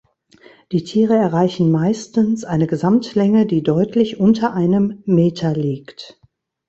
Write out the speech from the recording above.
Die Tiere erreichen meistens eine Gesamtlänge, die deutlich unter einem Meter liegt.